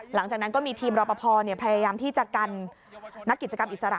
หลังจากนั้นก็มีทีมรอปภพยายามที่จะกันนักกิจกรรมอิสระ